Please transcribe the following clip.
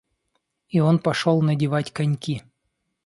И он пошел надевать коньки.